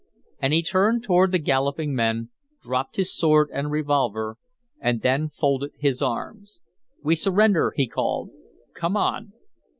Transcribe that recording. And he turned toward the galloping men, dropped his sword and revolver, and then folded his arms. "We surrender," he called. "Come on."